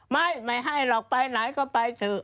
ไม่ไม่ให้หรอกไปไหนก็ไปเถอะ